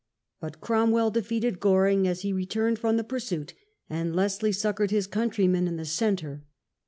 But Cromwell defeated Goring as he returned from the pursuit, and Leslie suc coured his countrymen in the centre.